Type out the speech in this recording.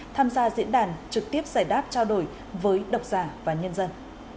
tham gia diễn đàn trực tiếp giải đáp trao đổi với độc giả và nhân dân